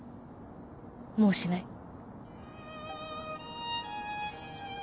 もうしない。